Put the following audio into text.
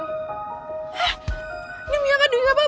eh ini miyakan duit apa